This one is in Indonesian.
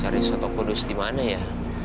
cari soto kudus di mana ya